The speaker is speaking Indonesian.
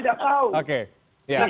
yang kalimatnya pun